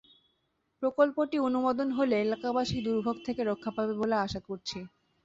প্রকল্পটি অনুমোদন হলে এলাকাবাসী দুর্ভোগ থেকে রক্ষা পাবে বলে আশা করছি।